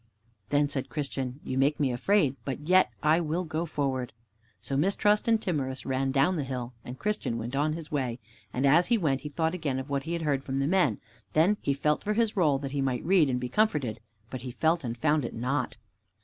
Then said Christian, "You make me afraid, but yet I will go forward." So Mistrust and Timorous ran down the hill, and Christian went on his way. And as he went he thought again of what he heard from the men. Then he felt for his roll, that he might read and be comforted, but he felt and found it not.